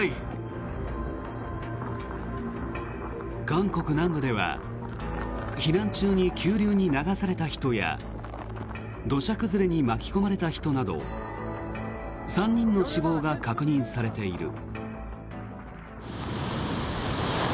韓国南部では避難中に急流に流された人や土砂崩れに巻き込まれた人など３人の死亡が確認されている。